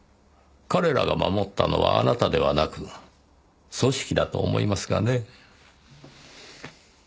彼らが守ったのはあなたではなく組織だと思いますがね。